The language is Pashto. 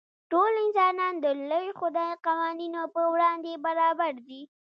ټول انسانان د لوی خدای قوانینو په وړاندې برابر دي.